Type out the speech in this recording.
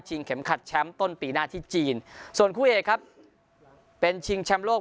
เข็มขัดแชมป์ต้นปีหน้าที่จีนส่วนคู่เอกครับเป็นชิงแชมป์โลก